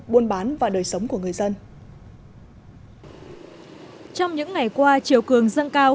buôn bán và đời sống của người dân trong những ngày qua chiều cường dâng cao